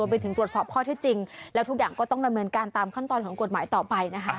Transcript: ไปถึงตรวจสอบข้อที่จริงแล้วทุกอย่างก็ต้องดำเนินการตามขั้นตอนของกฎหมายต่อไปนะคะ